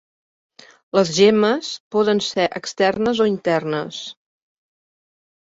Les gemmes poden ser externes o internes.